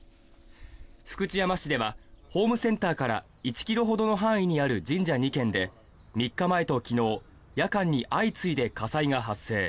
福知山市ではホームセンターから１ｋｍほどの範囲にある神社２軒で３日前と昨日夜間に相次いで火災が発生。